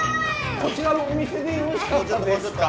こちらのお店でよろしかったですか？